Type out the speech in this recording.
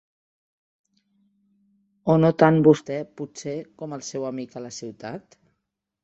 O no tant vostè, potser, com el seu amic a la ciutat?